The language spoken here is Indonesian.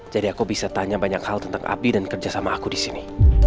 jadi aku bisa tanya banyak hal tentang abi dan kerja sama aku di sini